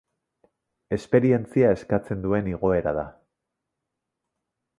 Esperientzia eskatzen duen igoera da.